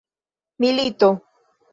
milito